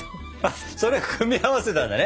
それ組み合わせたんだね？